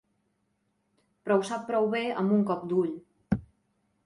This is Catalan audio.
Però ho sap prou bé amb un cop d'ull.